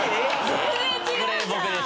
全然違うじゃん！